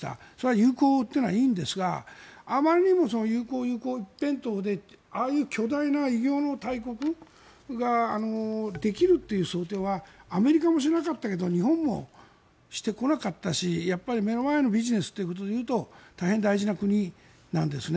友好というのはいいんですがあまりにも友好、友好一辺倒でああいう巨大な異形の大国ができるという想定はアメリカもしなかったけど日本もしてこなかったし目の前のビジネスということで言うと大変、大事な国なんですね。